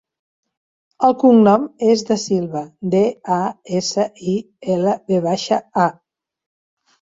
El cognom és Dasilva: de, a, essa, i, ela, ve baixa, a.